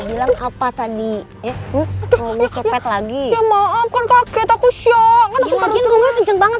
bilang apa tadi ya mau sepet lagi ya maaf aku kaget aku syok ngajin ngomong kenceng banget